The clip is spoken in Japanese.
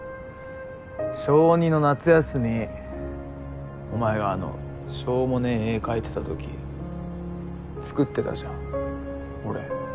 小２の夏休みお前があのしょうもねぇ絵描いてたとき作ってたじゃん俺。